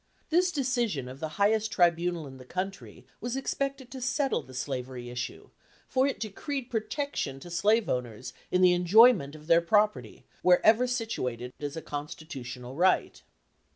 This decision of the highest tribunal in the country was expected to settle the slavery issue, for it decreed protection to slave owners in the enjoyment of their property wher ever situated as a constitutional right.